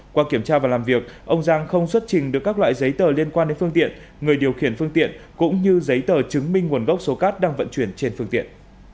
qua kiểm tra và làm việc ông giang không xuất trình được các loại giấy tờ liên quan đến phương tiện người điều khiển phương tiện cũng như giấy tờ chứng minh nguồn gốc số cát đang vận chuyển trên phương tiện